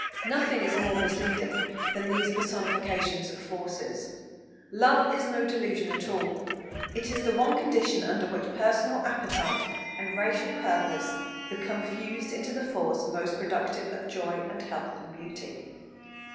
Nothing is more misleading than these personifications of forces. Love is no delusion at all; it is the one condition under which personal appetite and racial purpose become fused into the force most productive of joy and health and beauty.